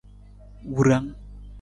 Wurang.